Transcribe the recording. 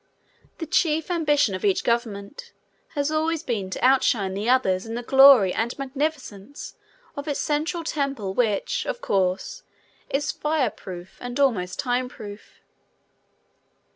The chief ambition of each government has always been to outshine the others in the glory and magnificence of its central temple which, of course, is fire proof and almost time proof.